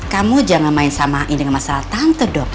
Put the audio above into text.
kamu jangan main samain dengan masalah tante dok